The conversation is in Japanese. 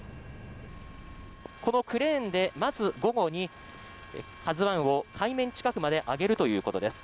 このクレーンでまず、午後に「ＫＡＺＵ１」を海面近くまで引き揚げるということです。